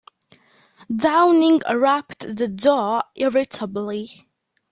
Downing rapped the door irritably.